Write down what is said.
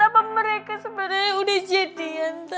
apa mereka sebenarnya udah jadian tante